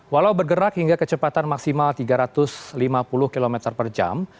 walau bergerak hingga kecepatan maksimal tiga ratus lima puluh km per jam